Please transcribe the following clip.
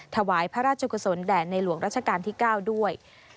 ถวายพระราชจุกษนต์แด่นในหลวงรัชกาลที่๙ด้วย